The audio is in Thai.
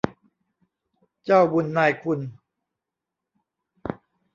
เจ้าบุญนายคุณ